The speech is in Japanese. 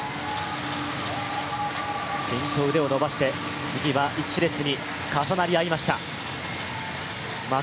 ピンと腕を伸ばして、次は１列に重なり合いました。